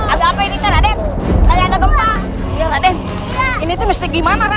ada apa ini terhadap rakyat ini tuh mesti gimana